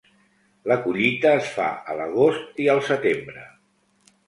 La collita es fa a l'agost i al setembre.